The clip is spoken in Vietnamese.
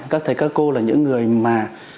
các thầy các cô là những người mà